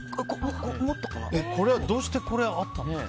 どうしてこれは？もらったんですか？